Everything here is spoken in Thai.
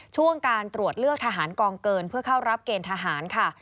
ช่วงการตรวจเลือกทหารกองเกินเพื่อเข้ารับเกณฑ์ทหารค่ะ